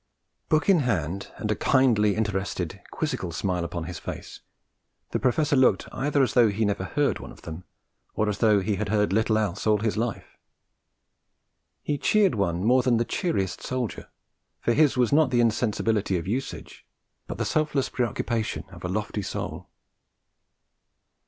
Book in hand, and a kindly, interested, quizzical smile upon his face, the professor looked either as though he never heard one of them, or as though he had heard little else all his life. He cheered one more than the cheeriest soldier, for his was not the insensibility of usage, but the selfless preoccupation of a lofty soul.